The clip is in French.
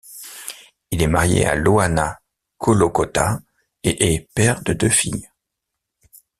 Il est marié à Ioánna Kolokotá et est père de deux filles.